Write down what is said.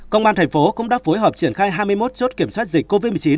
công an thành phố cũng đã phối hợp triển khai hai mươi một chốt kiểm soát dịch covid một mươi chín